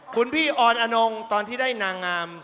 คุณพี่ออนอนงตอนที่ได้นางงาม